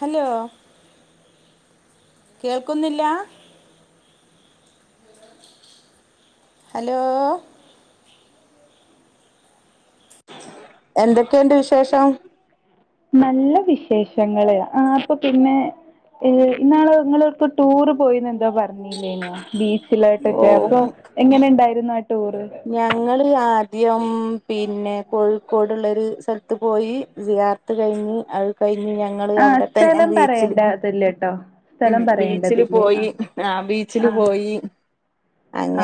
Hello കേൾക്കുന്നില്ല hello എന്തൊക്കെണ്ട് വിശേഷം നല്ല വിശേഷങ്ങള് ആഹ് അപ്പൊ പിന്നെ ന്നാള് ഇങ്ങള് ഒവ്ക്കാെ ടൂറ് പോയീനല്ലോ പർ ഞ്ഞീലേനോ ഓ ബീച്ചിലോട്ടൊക്കെ അപ്പൊ എങ്ങനെ ഇണ്ടായിരുന്നു ആ ടൂറ് ഞങ്ങള് ആദ്യം പിന്നെ കോഴിക്കോട്ള്ളരു സ്ഥൽത്ത് പോയി സിയാറത്ത് കഴിഞ്ഞ് അഅ് കഴിഞ്ഞ് ഞങ്ങള് ആഹ് അവിടെത്തന്നെ സ്ഥലം ബീച്ചില് പറയേണ്ടതില്ലട്ടോ. ഉം സ്ഥലം ബീച്ചില് പറയേണ്ടതില്ലേ പോയി ആഹ് ബീച്ചില് ആഹ് പോയി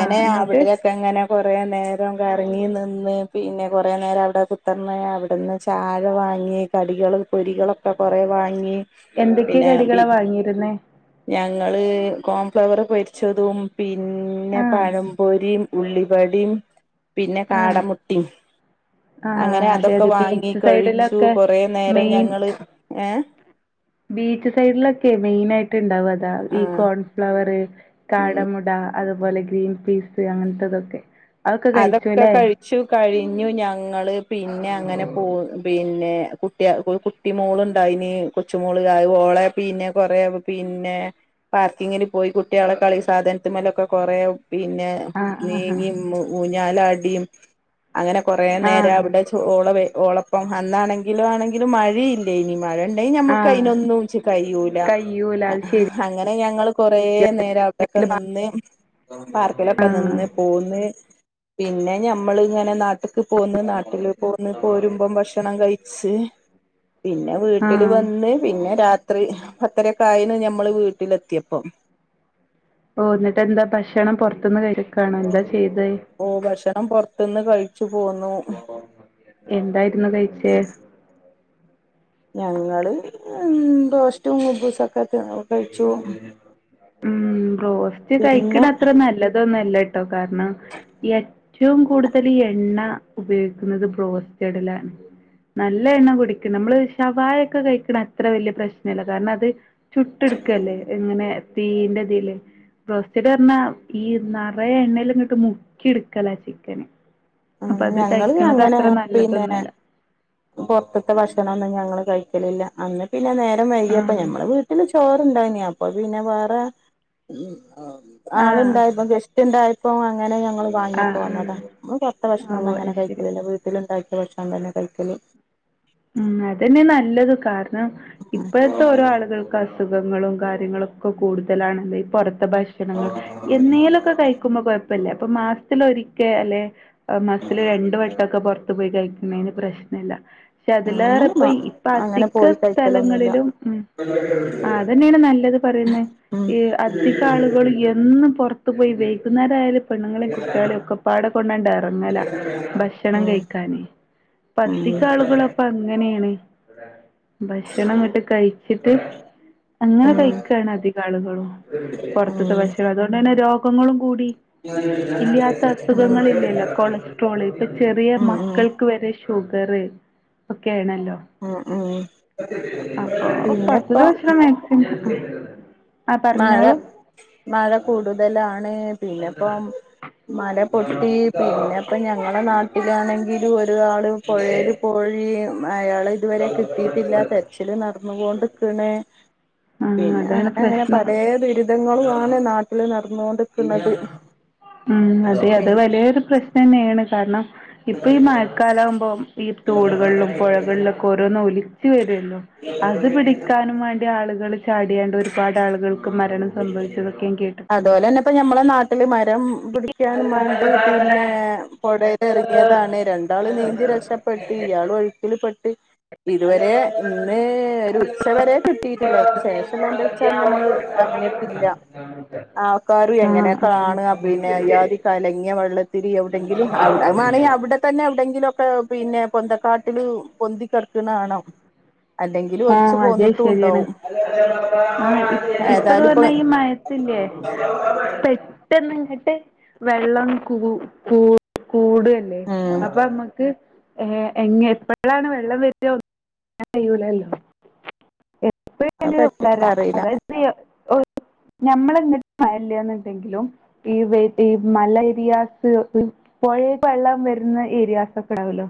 ആഹ് എന്നിട്ട് അവിടെ ക്കഅങ്ങനെ കൊറേ നേരം കറങ്ങി നിന്ന് പിന്നെ കൊറേ നേരം അവിടെ കുത്തർന്ന് അവിട്ന്ന് ചായ വാങ്ങി കടികള് പൊരികളൊ ഒക്കെ കൊറെ വാങ്ങി എന്തൊക്കെ പിന്നെ ബി കടികളാ വാങ്ങിയിരുന്നേ? ഞങ്ങള് കോൺഫ്ലവർ പൊരിച്ചതും പിന്നെ ആഹ് പഴം പൊരി ഉള്ളിവടീം പിന്നെ ആഹ് കാടമുട്ടിം ആഹ് അങ്ങനെ അതെ അതൊക്കെ അതെ വാങ്ങി ബീച്ച് കഴിച്ചു സൈഡിലൊക്കെ കൊറെ നേരം മെയിൻ ഞങ്ങള് ഏഹ് ബീച്ച് സൈഡിലൊക്കെ മെയിൻ ആയിട്ട് ഇണ്ടാവ അതാ. ഈ ആ കോൺഫ്ലവറ് ഉം കാടമുട അതുപോലെ ഗ്രീൻ പീസ് അങ്ങനത്തെതൊക്കെ അതൊക്കെ കഴി ച്ചു കഴിഞ്ഞു ഞങ്ങള് പിന്നെ അങ്ങനെ പോ പിന്നെ കുട്ടിയാ കൂ കു കുട്ടി മോളുണ്ടായിന് കൊച്ചുമോള് ഓളെ പിന്നെ കൊറ പിന്നെ പാർക്കിങ്ങിന് പോയി കുട്ടിയളെ കളി സാധനത്തി മലൊക്കെ കൊറേ പിന്നെ ആഹ് ആഹ് നീങ്ങിം ഊഞ്ഞാലാടിയും അങ്ങനെ കൊറേ നേരം ആഹ് അവിടെ ഓളവേ ഓളപ്പം അന്നാണെങ്കിലും ആണെങ്കിലും മഴയില്ലേനി മഴ അയിനമ്മക്ക് ആഹ് അതിനൊന്നുച്ച് കയൂല കയ്യൂല അത് ശരി അങ്ങനെ ഞങ്ങള് കൊറനേര അവ്ടൊക്കെ നിന്ന് പാർക്കിലൊക്കെ ആഹ് നിന്ന് പോന്ന് പിന്നെ ഞമ്മള് ഇങ്ങനെ നാട്ട് ട്ട്ക്ക് പോന്ന് നാട്ടില് പോന്ന് പോരുമ്പം ഭക്ഷണം കയിച്ച് പിന്നെ വീട്ടില് ആഹ് വന്ന് പിന്നെ രാത്രി പത്തരക്കായിണ് ഞമ്മള് വീട്ടിലെത്തിയപ്പം ഓ, ഇന്നിട്ട്എന്താ ഭക്ഷണം പുറത്തുന്ന് കയിക്കാണോ എന്താചെയ്ത്? ഓ ഭക്ഷണം പുറത്തുന്ന് കയിച്ചു പോന്നു. എന്തായിരുന്നു കയിച്ചേ? ഞങ്ങള് ഇൻ ബ്രോസ്റ്റും കുബൂസൊക്കെ ക്കെ കയിച്ചു ഉും ബ്രോസ്റ്റ് പിന്നെ കയിക്കണത്ര നല്ലതൊന്നുല്ല ട്ടോ കാരണം ഏറ്റവും കൂടുതല് എണ്ണ ഉപയോഗിക്കുന്നത് ബ്രോസ്റ്റഡിലാണ് നല്ല എണ്ണകുടിക്കും നമ്മള് ശവായൊക്കെ കഴിക്കണത്ര വെല്ല്യ പ്രശ്നല്ല കാരണം അത് ട്ട് ഇട്ക്കല്ലേ ഇങ്ങനെ തീയിന്റെതില് ബ്രോസ്റ്റഡ്റഞ്ഞാ ഈ നറേ എണ്ണേല്ങ്ങട്ട് മുക്കിട്ക്കല ചിക്കന് അപ്പൊ അത് ഞങ്ങള് കഴിക്കണത് അത്ര നല്ലതൊന്നുല്ല പൊറ്ത്ത്ത്തെ ഭക്ഷണന്നും ഞങ്ങള് കയിക്കലില്ല അന്ന് പിന്നെ നേരം വൈകിയപ്പോ ആഹ് ഞമ്മൾ വീട്ട് വീട്ടില് ചോറണ്ടായിന് അപ്പപിന്നെ വേറെ ആഹ് ആളുണ്ടായപ്പോ ഗസ് റ്റ്ണ്ടായപ്പം അങ്ങനെ ഞങ്ങള് വാങ്ങിപ്പോന്നത ആഹ് ആഹ് നമ്മള്പൊറത്തഭക്ഷണന്നു ഓ അത് അങ്ങനെ ശരി കയിക്കല് ല്ല വീട്ടിലുണ്ടാക്കിയ ഭക്ഷണം തന്നെ കൈക്കല് ഉും അതന്നെ നല്ലത് കാരണം ഇപ്പോഴത്തെ ഓരോ ഉം ആളുകൾക് ക്ക അസുഖങ്ങളും കാര്യങ്ങളൊക്കെ കൂടുതലാണല്ലോ ഈ പൊറത്ത് ത ഭക്ഷണങ്ങള് എന്നേലൊക്കെ കയി ക്കുമ്പോ കൊയപ്പല്ല അപ്പൊ മാസത്തിലൊരിക്കെ ല്ലെ മാസത്തില് രണ്ട് വട്ടോക്കെ പൊറത്ത് പോയി കയിക്ക്ണേന് പ്രശ്നല്ല പക്ഷെ അതിലേറെപ്പൊ നമ്മള് ഇപ്പൊ അങ്ങനെ അധിക പോയി കഴിക്കലൊന്നുല്ല സ്ഥലങ്ങളിലും ഉും അതന്നെയാണ് നല്ലത് ഇപറയുന്ന ഉം ഈ അധിക ആളുകളും എന്നും പൊറ്ത്ത്പോയി വൈകുന്നേരായാലും പെണ്ണുങ്ങളേം കുട്ടിയാളേം ഒക്കപ്പാടെ കൊണ്ടറങ്ങല ഭക്ഷണം ഉം കയിക്കാന് ഉം ഉം ഉം പഅതികാളുകളും ഇപ്പൊങ്ങനെയാണ് ഭക്ഷണംങ്ങട്ട് കയിച്ചിട്ട് അങ്ങനെ ഉം കയിക്കാണ് അതിക ആളുകളും പൊറത്ത്ത്തെ ഉം ഭക്ഷണം അതോണ്ടാന്നെ രോ കങ്ങളും കൂടി ഇല്ലാത്ത അസുഖങ്ങളില്ലല്ലോ കോളേ ഇപ്പ ചെറിയ ഉം ഉം ഉം മക്കൾക്ക് വരെ ഷുഗറ് ഒക്കെ ആയിണല്ലോ അപ്പൊ പത്ത് പിന്നെപ്പോ ദിവസം മേ [unintelligible] മഴ മഴ കൂടുതലാണ് പിന്നെപ്പം മല പൊട്ടി പിന്നെ ഇപ്പൊ ഞങ്ങളെ നാട്ടിലാണെങ്കി ഒരാള് പൊയേല് പോയി അയാള് ഇതുവരെ കിട്ടീട്ടില്ല തെരച്ചില് നടന്നങ്കോണ്ട്ക്ക്ണ് ആഹ് അതാണ് പ്രശ്നം പലേ ദുരിതങ്ങളാണ് നാട്ടിൽ നടന്നോ ണ്ട് ഉംഹ് അതെ അത് പിൻ വലിയൊരു പ്രശ്നം തന്നെയാണ് കാരണം ഇപ്പൊ ഈ മഴ കാലാമ്പോ ഈ തോടുകൾ ലും പുഴകൾ ലും ഓരോന്നും ഒലിച്ചു വരുല്ലോ അത് പിടി ക്കാനും വേണ്ടി ആളുകൾ ചാടിയാണ്ട് ഒരുപാട് ആളുകൾക്ക് മരണം സംഭവിച്ചതൊക്കെ ഞാൻ കേട്ടിട്ടുണ്ട് ഇപ്പൊ മ്മളെ നാട്ടില് മരം പിടിക്കാൻ മണ്ടി പിന്നെ പുഴേൽ എറങ്ങിയതാണ് രണ്ടാള് നീന്തി രക്ഷപ്പെ ഇയാൾ ഒഴുക്കിൽ പെട്ട് ഇതുവരെ ഇന്ന് ഒരു ഉച്ച വരെ കിട്ടീട്ടില്ല അതിന് ശേഷം എന്താ വെച്ചാൽ നമ്മള് അറിഞ്ഞിട്ടില്ല ആൾക്കാര് ആഹ് എങ്ങനെയ ആഹ് കാണാ പിന്നെ ഇയ്യാദി കലങ്ങിയ വെള്ളത്തില് എവിടെ എവിടെങ്കിലും അത് മാണെങ്കിൽ അവി അവിടെ തന്നെ എവിടെങ്കിലോക്കെ പിന്നെ പൊന്തക്കാട്ടില് പൊന്തികെടക്ക്ണ കാണും അല്ലെങ്കിൽ ഒലിച്ചു ആഹ് അതെ ശരിയാണ് പോന്ട്ടുണ്ടാകും ഏതാലും ഇപ്പോ മഴയത്ത് ഇല്ലേ പെട്ടെന്ന് ഇങ്ങട്ട് വെള്ളം കൂ കൂ കൂടല്ലേ ഉം അപ്പൊ നമ്മക്ക് ഏ എങ്ങ എപ്പോഴാണ് വെള്ളം വരിക ഒന്നും കഴിയൂലല്ലോ എപ്പ അത് ആയാലും പറ്റും വര അതറിയില്ല അതായത് ഞമ്മളെങ്ങിട്ട് മഴല്ലന്ന്ണ്ടെങ്കിലും [unintelligible] പുഴയെക്ക് വെള്ളം വരുന്ന ഏരിയാസ് ഒക്കെ ഉണ്ടാവല്ലോ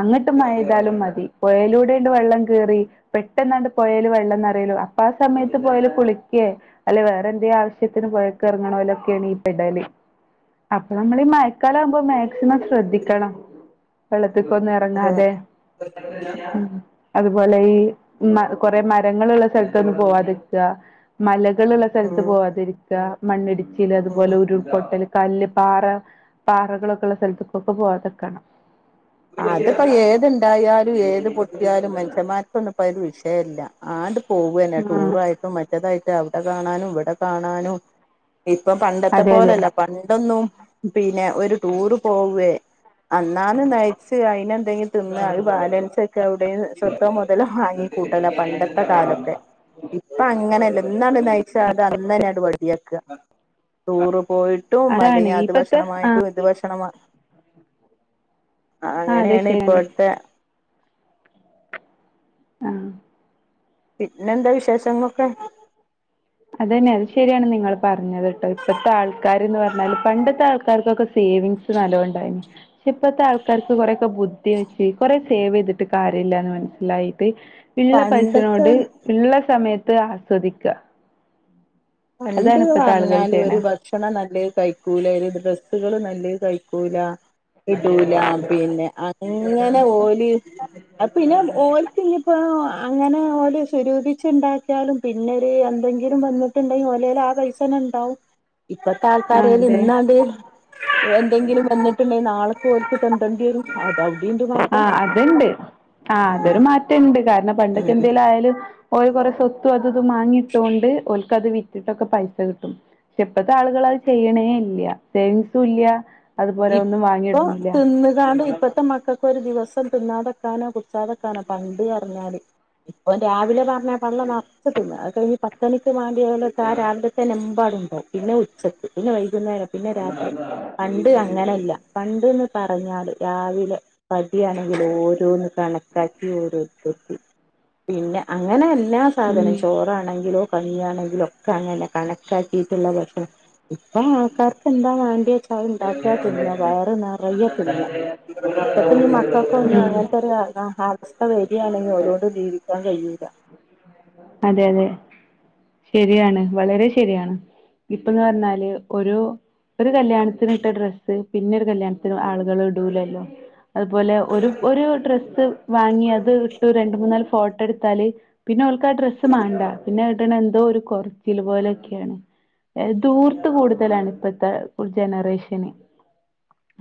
അങ്ങ്ട്ട് മഴപെയ്താലും മതി പുഴയിലൂടെണ്ട് വെള്ളം കേറി പെട്ടെന്നാണ്ട് പൊഴേല് വെള്ളംനറിയെലോ അപ്പൊ ആ സമയത്ത് പാെഴേല് കുളിക്കേ അല്ലെ വേറെ എന്തേ ആവശ്യത്തിന് പോയൊക്കെറങ്ങ്ണലോക്കെയാണ് ഈ പെടല് അപ്പൊ നമ്മളീ ഈ മയക്കാലം ആവുമ്പോ മാക്സിമം ശ്രദ്ധിക്കണം വെള്ളത്ത്ക്ക് ഒന്നും അത് ഇറങ്ങാതെ അതുപോലെ ഈ കൊറേ മരങ്ങളുള്ള സ്ഥലത്തൊന്നും പോവാതിരിക്ക മലകളുള്ള സ്ഥലത്ത് ഉം പോവാതിരിക്ക മണ്ണിടിച്ചൽ അതുപോലെ ഉം ഉരുൾപൊട്ടല് കല്ല് പാറ പാറകളൊക്കെള്ള സ്ഥലത്തേക്കൊക്കെ പോകാത്ക്കണം അത്പ്പോ ഏത്ണ്ടായാലും ഏത് പൊട്ടിയാലും മനുഷ്യമാർക്കൊന്നുപ്പത് ഒരു വിഷയല്ല ആണ്ട് പോവന്നെ ആ ടൂറായിട്ടും മറ്റേതായിട്ട് അവിടെ കാണാനും ഇവിടെ കാണാനും. ഇപ്പൊ പണ്ടത്തെ അതെ അതെ പോലല്ല പണ്ടൊന്നും പിന്നെ ഒരു ടൂർ പോവേ അന്നാന്ന് നയി ച്ച് അയിന എന്തെങ്കിലും തിന്ന അത് ബാലൻസ് വെക്ക അവിടെ സ്വത്തോ മുതലോ വാങ്ങിക്കൂട്ടല പണ്ടത്തെ കാലൊക്കെ ഇപ്പൊ അങ്ങനല്ല ഇന്നാണ് നയിച്ചാ അത് അന്നന്നെ അട് വടിയാക്ക ടൂറ് പോയിട്ടും അതാണ് അല്ലങ്കിൽ അത് ഇപ്പത്തെ ആ ഭക്ഷണമായിട്ടും ഇതു ഭക്ഷണം വാ ആ അതെ അങ്ങനെയാണ് ശരിയാണ് ഇപ്പോഴത്തെ ആഹ് പിന്നെന്താ വിശേഷങ്ങളോക്കെ അതന്നെ അത് ശരിയാണ് നിങ്ങൾ പർഞ്ഞത്ട്ടോ ഇപ്പത്തെ ആൾക്കാര്ന്ന് പറഞ്ഞാല് പണ്ടത്തെ ആൾക്കാർക്കൊക്കെ സേവിങ്സ് നല്ലോണ്ടായ്നി. ഇപ്പത്തെ ആൾക്കാർക്ക് കൊറെക്കെ ബുദ്ധി വെച്ച് കൊറേ സേവെയ്തിട്ട് കാര്യല്ലാന്ന് മനസ്സിലായിട്ട് ഇള്ള പണ്ടത്തെ പൈസനോട് ഇള്ള സമയത്ത് ആസ്വദിക്ക. പണ്ട്ന്ന് അതാണ് ഇപ്പത്തെ ആളുകൾ പർഞ്ഞാല് ഒരു ചെയ്യണേ ഭ ക്ഷണം നല്ലേ കയ്ക്കൂല ഒര് ഡ്രസ്സുകള് നല്ലേ കയ്ക്കൂല ഇടൂല പിന്നെ അങ്ങനെ ഓല് ആഹ് പിന്നെ ഓൽ പിന്നിപ്പോ അങ്ങനെ ഓല് സ്വരൂപിച്ച് ഇണ്ടാക്ക്യാലും പിന്നെ ഒര് എന്തെങ്കിലും വന്ന് ണ്ടേല് ഓലേല് ആ പൈസ തന്നെ ഇണ്ടാവും ഇപ്പത്തെ ആ ആൾക്കാരേല് അതെ ഇന്നാണ്ട് എന്തെങ്കിലും വന്ന്ട്ട്ണ്ടെൽ നാളെ ക്ക് ഓല്ക്ക് തെണ്ടേണ്ട്യരും അ ആഹ് അത്ണ്ട് ആഹ് അതൊരു ഉം മാറ്റണ്ട് കാരണം പണ്ടൊക്കെ എന്തെലും ആയാലും ഓല് കുറേ സ്വത്തും അതും ഇതും മാങ്ങിട്ടൊണ്ട് ഓല്ക്കത് വിറ്റ്ട്ടൊക്കെ പൈസ കിട്ടും. പക്ഷെ ഇപ്പത്തെ ആള്കള് അത് ചെയ്യ്ണേ ഇല്ല്യ സേവിങ്സും ഇല്ല്യ ഇപ്പൊ തിന്ന്കാണ്ട് ഇപ്പത്തെ മക്കക്ക് ഇപ്പൊ ഒരു ദിവസം തിന്നാതെക്കാനോ കുട്ച്ചാതക്കാനോ പണ്ട് അർഞ്ഞാല് ഇപ്പൊ രാവിലെ പർഞ്ഞ പള്ള നർച്ച്തിന്ന അത് കയ്ഞ്ഞ് പത്തണിക്ക് വാണ്ട്യോലൊക്കെ ആ രാവിലത്തെന്നെ എമ്പാടുണ്ടാവും. പിന്നെ ഉച്ചക്ക് പിന്നെ വൈകുന്നേരം പിന്നെ രാത്രി പണ്ട് അങ്ങനല്ല പണ്ട്ന്ന് പറഞ്ഞാല് രാവിലെ അരി ആണെങ്കില് ഓരോന്ന് കണക്കാക്കി ഓരോര്ത്തർക്ക് പിന്നെ അങ്ങനെ എ ല്ലാ സാധനം ഉം ചോറാണെങ്കിലും കഞ്ഞ്യാണെങ്കിലും ഒക്കെ അങ്ങന്നെ കണക്കാക്കിട്ട്‌ള്ള ഭക്ഷണം ഇപ്പ ആൾക്കാർക്ക്ന്താ വേണ്ട്യേ അഹ് ഇണ്ടാക്കാ തിന്ന വയറ്‌ നിറയെ തിന്ന ഇപ്പത്തഞ്ഞ് മക്കക്കൊന്നും അങ്ങൻ അങ്ങൻത്തൊരവസ്ഥ വര്യാണെങ്കി ഓലോട്‌ ജീവിക്കാൻ കയ്യൂല. അതെ അതെ ശരിയാണ് വളരെ ശരിയാണ്. ഇപ്പന്ന് പർഞ്ഞാല് ഒരു ഒരു കല്യാണത്തിന് ഇട്ട ഡ്രസ്സ് പിന്നെ ഒരു കല്യാണത്തിന് ആള്കള് ഇടൂലല്ലോ അതുപോലെ ഒരു ഒരു ഡ്രസ്സ് വാങ്ങി അത് ഇട്ട് രണ്ട് മൂന്നാല് ഫോ ട്ടൊ എട്ത്താല് പിന്നെ ഓൽക്ക് ആ ഡ്രസ്സ് മാണ്ട പിന്നെ അത്ഇട്ണെ എന്തോ ഒര് കൊർച്ചില് പോലൊ ക്കെണ്. ഏഹ് ധൂർത്ത് കൂടുതലാണ് ഇപ്പത്തെ ജനറേഷന്.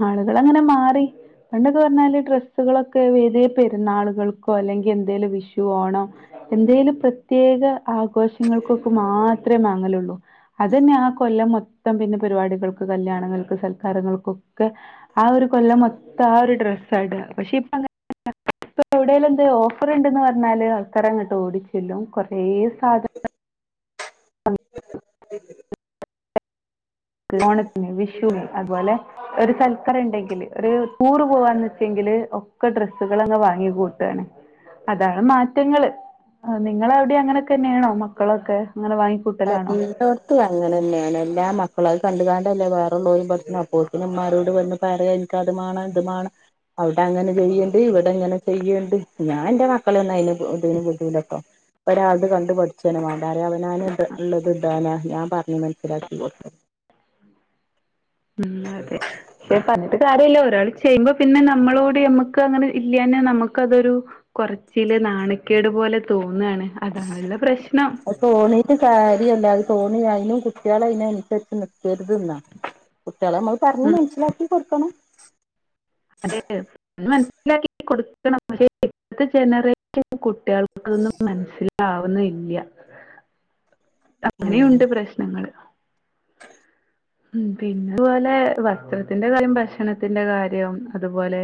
ആള്കളങ്ങനെ മാറി. പണ്ടൊക്കെ പർഞ്ഞാല് ഡ്രെസ്സുകളൊക്കെ വേതേ പെര്ന്നാള്കൾക്കോ അല്ലെങ്കി എന്തേലും വിഷു ഓണം എന്തേലും പ്രത്യേക ആഘോഷങ്ങൾക്കൊക്കെ മാത്ര മാങ്ങലൊള്ളൂ. അതന്നെ ആ കൊല്ലം മൊത്തം പിന്നെ പരിപാടികൾക്ക് കല്യാണങ്ങൾക്ക് സൽക്കാരങ്ങൾക്കും. ഒക്കെ ആ ഒരു കൊല്ലം മൊത്തം ആ ഒരു ഡ്രസ്സ് സ്സാണ്ടാ പക്ഷെ ഇപ്പ അങ്ങനെല്ല ഇപ്പഎവിടെേലും എന്തേ ഓഫറ്ണ്ട് ന്ന് പർഞ്ഞാല് ആൾക്കർ അങ്ങോട്ട് ഓടി. ചെല്ലും കൊറേ സാധ [unintelligible] ഓണത്തിന് വിഷുന് അതുപോലെ ഒരു സൽക്കരം ഇണ്ടെങ്കില് ഒരു ടൂറ് പോവാന്ന് വെച്ചെങ്കില് ഒക്കെ ഡ്രസ്സുകളങ്ങനെ വാങ്ങി കൂട്ടാണ്. അതാണ് മാറ്റങ്ങള് നിങ്ങളവ് ടിം അങ്ങനൊക്കെന്നെണോ? മക്കളൊക്കെ അങ്ങനെ വാങ്ങി അത് എല്ലോട്ത്തും അങ്ങനെന്നെണ് എല്ലാ മക്കളും അത് കണ്ട്കാണ്ടല്ലേ വേറെള്ളോലും അപ്പോക്ക്ന്‌ മ്മാരോട് വന്ന് പറ്യന്നെ അത് മാണം ഇത് മാണം അവ്ടെ അങ്ങനെ ചെയ്യല് ഇവ്ടെ ഇങ്ങനെ ചെയ്യണ്ട് ഞാ ഇന്റെ മക്കളെ ഒന്ന് അയ്ന്‌ ഇതിന് വിടുല്ലാട്ടോ. ഒരാൾതെ കണ്ട് പഠിച്ചെന്ന മാണ്ടാറിം അവനാന് ഇള്ളത് ഇടാനാ ഞാൻ പറഞ്ഞ് മനസ്സിലാക്കി കൊട്ക്കാ. [inaudible] ഉം അതെ. പക്ഷെ പർഞ്ഞിട്ട് കാര്യല്ല ഒരാൾ ചെയ്യുമ്പം പിന്നെ നമ്മളൂടി നമ്മക്ക് അങ്ങനെ ഇല്ല്യാഞ്ഞാ നമ്മുക്കതൊരു കൊറച്ചില് നാണക്കേട് പോലെ തോന്നാണ്. അതാണ്ള്ള പ്രശ്നം. തോണീട്ട് കാര്യല്ല. അത് തോന്നി അയിനും കുട്ട്യേള് അയ്നന്സരിച്ച് നി ക്കര്ത് ന്നാ. കുട്ട്യേളെ നമ്മൾ പറഞ്ഞ് ഉം മനസ്സിലാക്കി കൊടുക്കണം. അതെ പറഞ്ഞ് മനസ്സിലാക്കി കൊടുക്കണം പക്ഷെ ഇപ്പത്തെ ജനറേഷൻ കു കുട്ട്യേൾക്കതൊന്നും മനസ്സിലാവൊന്നും ഇല്ല്യ. അങ്ങനെയുണ്ട് പ്രശ് നങ്ങൾ. ശ [inaudible] ഉം പിന്നെ അതുപോലെ വസ്ത്രത്തിന്റെ കാര്യം ഭക്ഷണത്തിന്റെ കാര്യം അതുപോലെ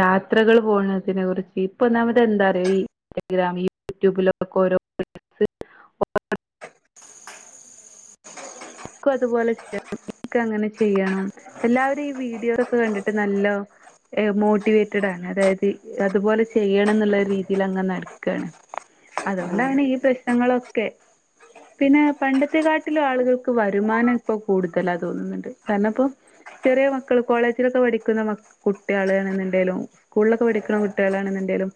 യാത്രകൾ പോണതിനെ കുറിച്ച്. ഇപ്പൊ ഒന്നാമത് എന്താറിയോ ഈ ഇൻറ്റഗ്രാം യൂട്യൂബിലൊക്കെ ഓരോ [inaudible] ക്കും അതുപോലെ ചെയണം ഇൻക്കങ്ങനെ ചെയ്യണം എല്ലാവരും ഈ വീഡിയോ ഒക്കെ കണ്ടിട്ട് നല്ലോ എഹ് മോട്ടിവേറ്റഡ് ആണ് അതായത് ഇപ്പതുപോലെ ചെയ്യണം എന്നുള്ള രീതിയിലങ്ങ നട് ക്കാണ്. അതുകൊണ്ടാണ് ഈ പ്രശ്നങ്ങളൊക്കെ. പിന്നെ പണ്ടത്തെ കാട്ടിലും ആളുകൾ ക് വരുമാനം ഇപ്പൊ കൂടുതലാ തോന്നുന്നുണ്ട്. കാരണം ഇപ്പോ, ചെറിയ മക്കൾ കോളേജിലൊക്കെ പഠിക്കുന്ന മ കുട്ട്യേളാളാണ് ന്ന് ഇണ്ടേലും സ്കൂളിലൊക്കെ പഠിക്ണ കുട്ട്യേളാണെന്ന്ണ്ടേലും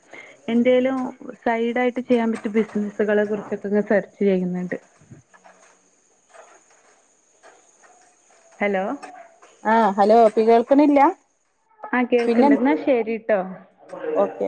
എന്തേലും സൈഡായിട്ട് ചെയ്യാൻ പറ്റിയ ബിസിനസുകളെ കുറിച്ചൊക്കെ ഇങ്ങ സെർച്ച് ചെയ്യ്ന്ന്ണ്ട്. ഹലോ. ആഹ് ഹലോ അപ്പി കേൾക്ണില്ല? ആഹ് കേൾക്ണ്ട്, ന്നാ ശരിട്ടോ. ഓക്കെ